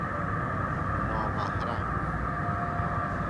نامحرم